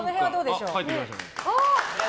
帰ってきましたね。